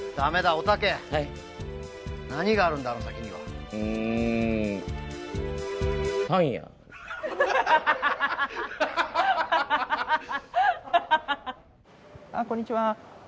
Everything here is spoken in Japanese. オタケ何があるんだろう先にはうんあっこんにちは